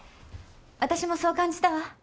私もそう感じたわ。